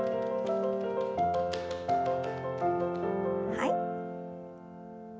はい。